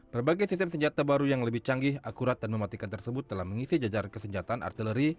berbagai sistem senjata baru yang lebih canggih akurat dan mematikan tersebut telah mengisi jajar kesenjataan artileri